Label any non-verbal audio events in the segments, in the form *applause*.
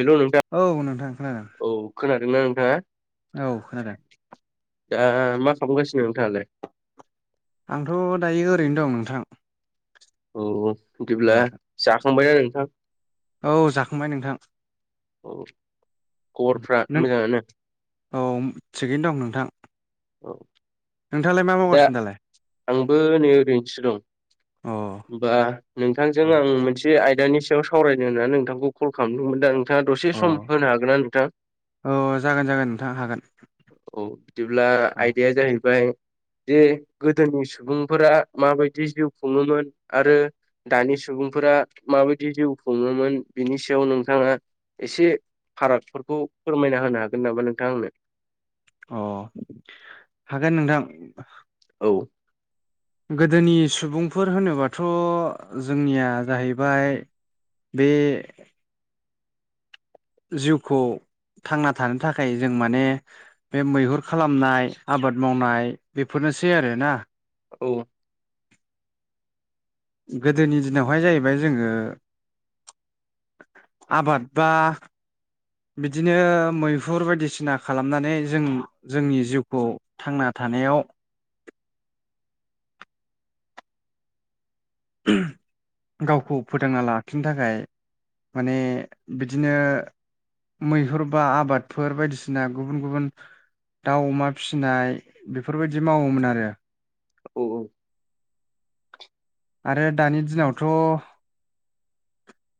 हेल' नोंथां औ नोंथां खोनादों औ खोनादोंना नोंथाङा? औ खोनादों दा मा खालामगासिनो नोंथाङालाय? आंथ' दायो ओरैनो दं नोंथां। औ बिदिब्ला जाखांबायना नोंथां? औ जाखांबाय नोंथां। औ। खबरफ्रा नों मोजाङानो औ थिगैनो दं नोंथां। औ। नोंथाङालाय मा दा मावगासिनो दालाय आंबो नै ओरैनोसो दं। अ होमबा नोंथांजों अ आं मोनसे आय दानि सायाव सावरायनो होननानै नोंथांखौ कल खालामदोंमोनदां नोंथाङा दसे सम होनो हागोन ना नोंथां। अ जागोन जागोन नोंथां हागोन औ बिदिब्ला अ आयदाया जाहैबाय। जे गोदोनि सुबुंफोरा माबायदि जिउ खुङोमोन आरो दानि सुबुं फोर माबायदि जिउ खुङोमोन बिनि सायाव नोंथाङा। एसे फारागफोरखौ फोरमायना होनो हागोन नामा नोंथां आंनो। अ हागोन नोंथां। औ‌। गोदोनि सुबुंफोर होनोबाथ' जोंनिया जाहैबाय। बे जिउखौ थांना थानो थाखाय जों माने बे मैहुर खालामनाय आबाद मावनाय बेफोरनो सै आरोना औ। गोदोनि दिनावहाय जाहैबाय जोङो। आबाद बा बिदिनो मैहुर बायदिसिना खालामनानै जों जोंनि जिउखौ थांना थानायाव *inaudible* *inaudible* गावखौ फोथांना लाखिनो थाखाय माने बिदिनो। मैहुर बा आबादफोर बायदिसिना गुबुन गुबुन। दाउ अमा फिसिनाय बेफोरबायदि मावोमोन आरो औ औ। आरो दानि दिनावथ' *inaudible*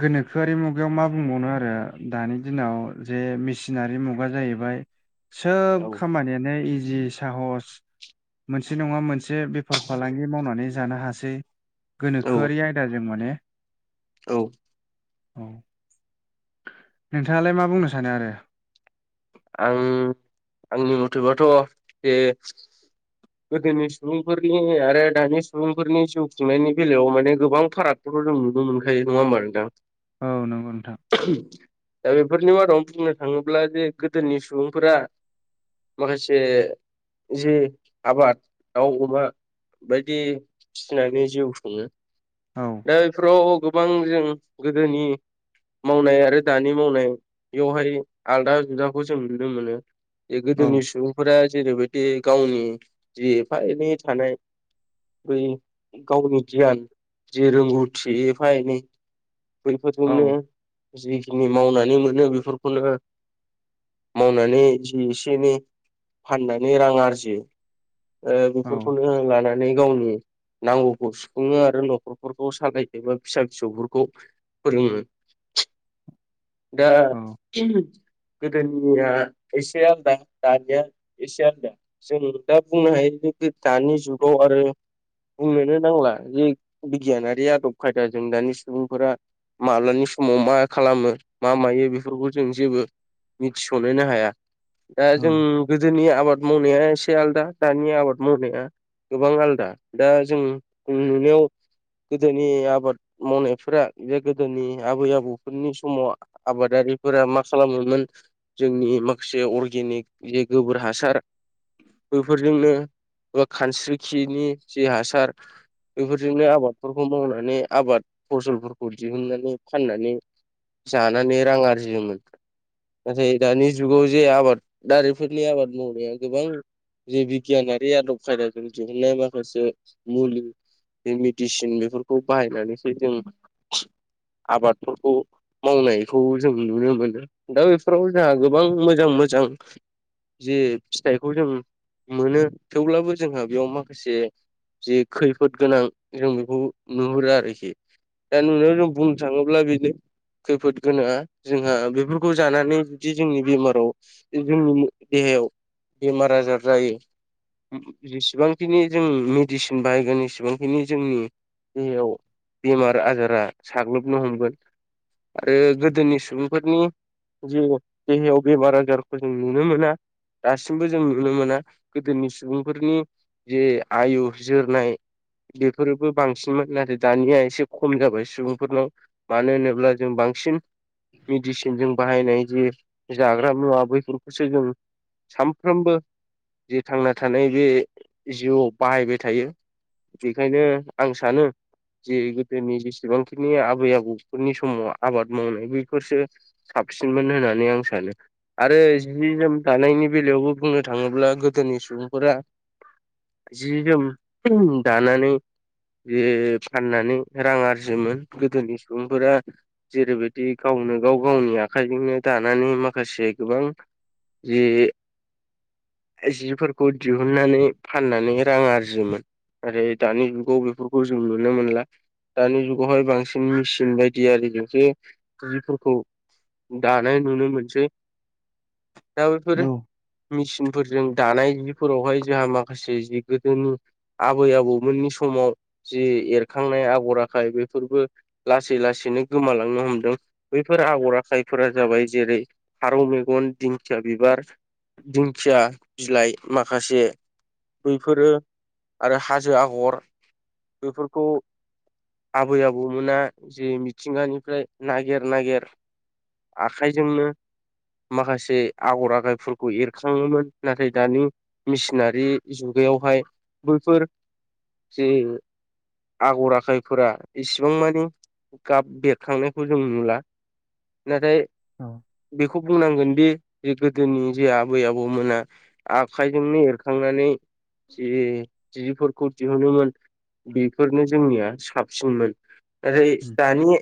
गोनोखोआरि मुगायाव मा बुंबावनो आरो दानि दिनाव जे मेसिनारि मुगा जायो हैबाय सोब औ खामानियानो इजि साहस मोनसे नङा मोनसे बेफार फालांगि मावनानै जानो हासै। गोनोखोआरि आयदाजों माने औ औ नोंथाङालाय मा बुंनो सानो आरो? आं आंनि मथेबाथ' जे गोदोनि सुबुंफोरनि आरो दानि सुबुंफोरनि जिउ खुंनायनि बेलायाव माने गोबां फारागफोर खौ नुनो मोनखायो नङा होमबा नोंथां? औ नंगौ नोंथां। दा बेफोरनि मादावनो बुंनो थाङोब्ला जे गोदोनि सुबुंफोरा माखासे जि आबाद दाउ अमा बायदि फिनानै जिउ सङो औ दा बेफोराव गो बां जों गोदोनि मावनाय आरो दानि मावनाय बेवहाय आलदा जुदा खौ जों नुनो मोनो बे औ गोदोनि सुबुंफोरा जेरैबायदि गावनि जि एफा एनै थानाय बै गावनि गियान जि रोंगौथि एफा एनै औ बैफोरजोंनो जिखिनि मावनानै मोनो बेफोरखौनो मावनानै जि एसेनि फाननानै रां आरजियो। ओ औ बेफोरखौनो लानानै गावनि नांगौखौ सुफुङो आरो न'खरफोरखौ सालायजोबो फिसा फिसौफोरखौ फोरनि दा गोदोनिया एसे आलदा दानिया एसे आलदा जों दा बुंनो हायो। दानि जुगाव आरो बुंनोनो नांला जे बिगियानारि आदब खायदाजों दानि सुबुंफोरा माब्लानि समाव मा खालामो मा मायो बेफोरखौ जों जेबो मिथिस'नोनो हाया दा औ जों गोदोनि आबाद मावनाया एसे एसे आलादा दानि आबाद मावनाया गोबां आलदा दा जों नुनायाव गोदोनि आबाद मावनायफोरा बे गोदोनि आबै आबौफोरनि समाव आबादारि फोरा मा खालामोमोन जोंनि माखासे अर्गेनिक जे गोबोर हासार बेफोरजोंनो बा खानस्रिखिनि जि हासार बेफोरजोंनो आबादफोरखौ मावनानै आबाद फसलफोरखौ दिहुननानै फाननानै जानानै रां आरजियोमोन। नाथाय दानि जुगाव जे आबाद दारिफोरनि आबाद मावनाया गोबां जे बिगियानारि आदब खायदाजों दिहुनन्नाय माखासे मुलि बे मेडिसिन बेफोरखौ बाहायनानैसो जों आबादफोरखौ मावनायखौ जों नुनो मोनो। दा बेफोराव जोंहा गोबां मोजां मोजां जे फिथाइखौ जों मोनो थेवब्लाबो जोंहा बेयाव माखासे जे खैफोद गोनां जों बेखौ नुहुरो आरोखि। दा नुनायाव जों बुंनो थाङोब्ला बेनो खैफोद गोनाङा जोंहा बेफो रखौ जानानै जुदि जोंनि बेमाराव जोंनि देहायाव बेमार आजार जायो। जेसेबांखिनि जों मेडिसिन बाहायगोन जसेबांखिनि जोंनि देहायाव बेमार आजारा साग्लोबनो हमगोन। आरो गोदोनि सुबुंफोरनि जे देहायाव बेराम आजारखौ जों नुनो मोना। दासिमबो जों नुनो मोना गोदोनि सुबुंफोरनि जे आयु जोरनाय बेफोरोबो बांसिनमोन नाथाय दानिया एसे खम जाबाय सुबुंफोरनाव मानो होनोब्ला जों बांसिन मिदिसेनजों बाहायनाय जि जाग्रा मुवा बेैफोरखौसो जों सानफ्रोमबो जे थांना थानाय बे जिउआव बाहायबाय थायो बेखायनो आं सानो जि गोदोनि जेसेबांखिनि आबै आबौफोरनि समाव आबाद मावनाय बेफोरसो साबसिनमोन होननानै आं सानो आरो जि जोम दानायनि बेलायावबो बुंनो थाङोब्ला गोदोनि सुबुंफोरा जि जोम दानानै बे फाननानै रां आरजियोमोन गोदोनि सुबुंफोरा जेरैबायदि गावनो गाव गावनि आखाइजोंनो दानानै माखासे गोबां जि जिफोरखौ दिहुननानै फाननानै रां आरजियोमोन आरो दानि जुगाव बेफोरखौ जों नुनो मोनला दानि जुगावहाय बांसिन मेसिन बायदि आरिजोंसो जिफोरखौ दानाय नुनो मोनसै दा बेफोर मेचिनफोरजों दानाय जिफोरावहाय जोंहा माखासे जि गोदोनि आबै आबौमोननि समाव जि एरखांनाय आगर आखाय बेफोरबो लासै लासैनो गोमालांनो हमदों बैफोर आगर आखाइफोरा जाबाय जेरै फारौ मेगन दिंखिया बिबार दिंखिया बिलाइ माखासे बैफोरो आरो हाजो आगर बेफोरखौ आबै आबौमोना जे मिथिंगानिफ्राय नागिर नागिर आखाइजोंनो माखासे आगर आगरफोरखौ एरखाङोमोन नाथाय दानि मेसिनारि जुग गायावहाय बैफोर जे आगर आखायफोरा इसिबां मानि गाब बेरखांनायखौ जों नुला नाथाय औ बेखौ बुंनांगोनदि जे गोदोनि जे आबै आबौमोना आखाइजोंनो एरखांनानै जि जिफोरखौ दिहुनोमोन बेफोरनो जोंनिया साबसिनमोन ओरै दानि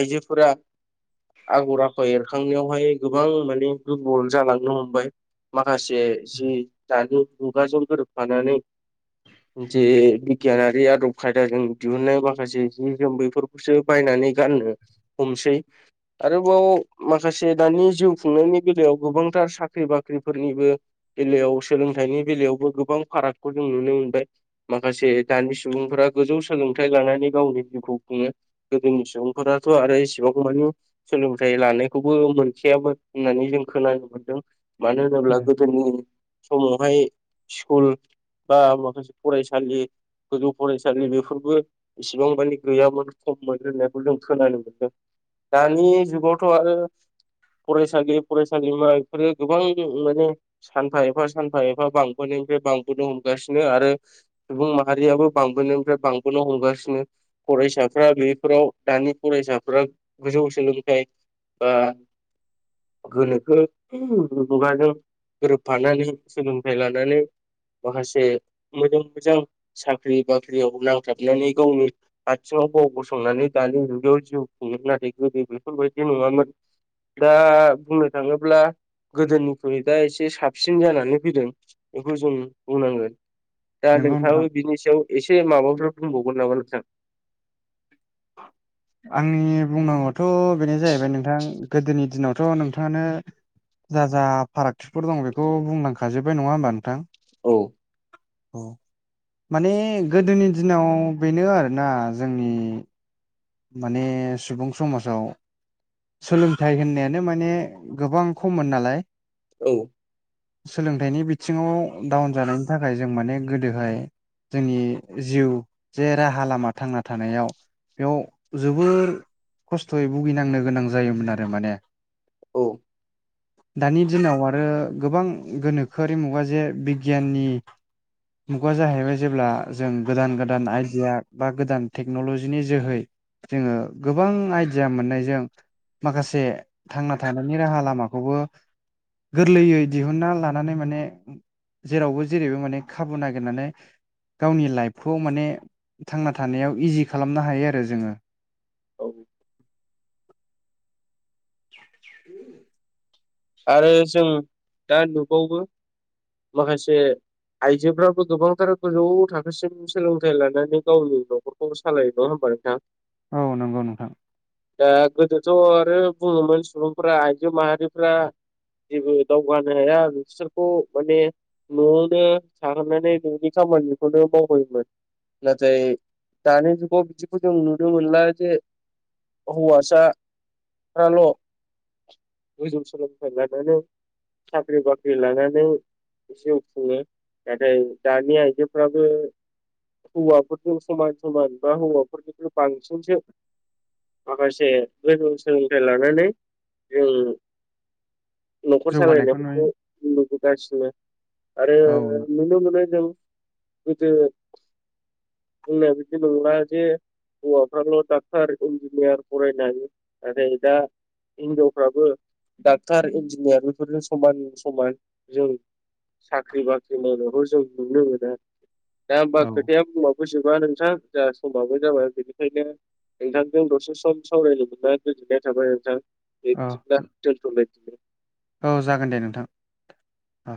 आइजोफोरा आगर आखर एरखांनायावहाय गोबां माने दुरबल जालांनो हमबाय मा माखासे जि दानि मुगाजों गोरोबफानानै जे बिगियानारि आदब खायदाजों दिहुननाय माखासे जि जोम बेफोरखौसो बायनानै नै गारनो हमसै आरोबाव माखासे दानि जिउ खुंनायनि बेलायाव गोबांथार साख्रि बाख्रिफोरनिबो बेलायाव सोलोंथाइनि बेलायावबो गोबां फारागखौ जों नुनो मोनबाय माख माखासे दानि सुबुंफोरा गोजौ सोलोंथाइ लानानै गावनि जिउखौ खुङो गोदोनि सुबुंफोराथ' आरो एसेबां मानि सोलोंथाइ लानायखौबो मोनखायामोन होननानै जों खोनानो मोनदों मानो होनोब्ला गोदोनि समावहाय स्कुल बा माखासे फरायसालि गोजौ फरायसालि बेफोरबो इसेबां मानि गैयामोन खममोन होननायखौ जों खोनानो मोनदों दानि जुगावथ' आरो फरायसालि फरायसालिमा बेफोरो गोबां माने सानफा एफा सानफा एफा बांबोनाय फ्राय बांबोनो हमगासिनो आरो सुबुं माहारियाबो बांबोनायनिफ्राय बांबोनो हमगासिनो फरायसाफ्रा बेफोराव दानि फरायसाफोरा गोजौ सोलोंथाइ बा गोनोखो मुगाजों गोरोबफानानै सोलोंथाइ लानानै माखासे मोजां मोजां साख्रि बाख्रियाव नांथाबनानै गावनि आथिङाव गाव गाव गसंनानै दानि मुगायाव जिउ खुङोमोन नाथाय गोदो बेफोरबायदि नङामोन दा बुंनो थाङोब्ला गोदोनिख्रुइ दा एसे साबसिन जानानै फैदों बेखौ जों बुंनांगोन दा नंगौ नोंथां नोंथाङाबो बिनि सायाव एसे माबाफोर बुंबावगोन नामा नोंथां आंनि बुंनांगौआथ' बेनो जाहैबाय नोंथां गोदोनि दिनावथ' नोंथाङानो जा जा फारागथिफोर दं बेखौ बुंलांखाजोब्बाय नङा होमबा नोंथां औ औ माने गोदोनि दिनाव बेनो आरोना जोंनि माने सुबुं समाजाव सोलोंथाइ होननायानो माने गोबां खममोन नालाय औ बेनि बिथिङाव डाउन जानायनि थाखाय जों माने गोदोहाय जोंनि जिउ जे राहा लामा थांना थानायाव बेयाव जोबोर खस्थ'यै भुगिनांनो गोनां जायोमोन आरो माने औ दानि दिनाव आरो गोबां गोनोखोआरि मुगा जे बिगियाननि मुगा जाहैबाय जेब्ला जों गोदान गोदान आइडिया बा गोदान टेक्न'लजिनि जोहै जोङो गोबां आइडिया मोननायजों माखासे थांना थानायनि राहा लामाखौबो गोरलैयै दिहुनन्ना लानानै माने जेरावबो जेरैबो माने खाबु नागिरनानै गावनि लाइफखौ माने थांना थानायाव इजि खालामनो हायो आरो जोङो औ *inaudible* आरो जों दा नुबावो माखासे आइजोफ्राबो गोबांथार गोजौ थाखोसिम सोलोंथाइ लानानै गावनि न'खरखौ सालायो होनबा नोंथां औ नंगौ नोंथां दा गोदोथ' आरो बुङोमोन सुबुंफ्रा आइजो माहारिफ्रा जेबो दावगानो हाया बिसोरखौ माने न'आवनो थाहोनानै न'नि खामानि बेखौनो मावबाय मोन नाथाय दानि जुगाव बिदिखौ जों नुनो मोनला जे हौवासाफ्राल' गोजौ सोलों था लानानै साख्रि बाख्रि लानानै जिउ खुङो नाथाय दानि आइजोफ्राबो हौवाफोरजों समान समान बा हौवाफोरनिख्रुइ बांसिनसो माखासे गोजौ सोलोंथाइ लानानै जों न'खर जौगानायखौ नुयो सालायनायफोरखौ नुबोगासिनो आरो औ नुनो मोननाय जों गोदो जोंनाया बिदि नंला जे हौवाफ्राल' डाक्टर इन्जिनियार फरायनो हायो नाथाय दा हिनजावफ्राबो दा डाक्टार इन्जिनियार बेफोरजों समान समान जों साख्रि बाख्रि मावनायबो जों नुनो मोनो दा होनबा औ खोथाया *unintelligible* नोंथां जा समाबो जाबाय बेनिखायनो नोंथांजों दसे सम सावरायनो मोनना गोजोननाय थाबाय नोंथां औ बिदिब्ला दोनथ'लायनि औ जागोन दे नोंथां औ